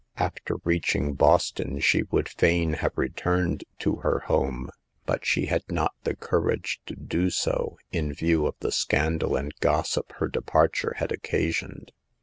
After reaching Boston she would fain have returned to her home, but she had not the courage to do so, in view of the scandal and gossip her departure had occasioned.